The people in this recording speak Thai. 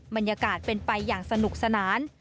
บรรยากาศเป็นไปอย่างสนุกสนาน